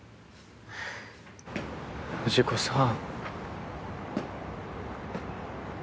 藤子さん。